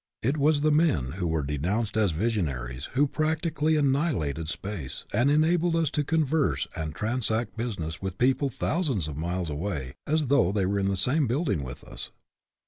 It was the men who were denounced as visionaries who practically annihilated space, and enabled us to converse and transact busi ness with people thousands of miles away as though they were in the same building with us.